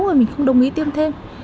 rồi mình không đồng ý tiêm thêm